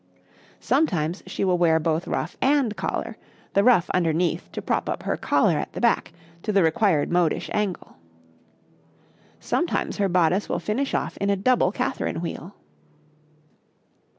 Sometimes she will wear both ruff and collar, the ruff underneath to prop up her collar at the back to the required modish angle. Sometimes her bodice will finish off in a double Catherine wheel.